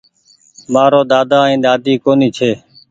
مآرو ۮاۮا ائين ۮاۮي ڪونيٚ ڇي